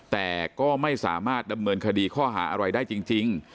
แต่ก็ไม่สามารถดำเนินคดีข้อหาอะไรได้จริง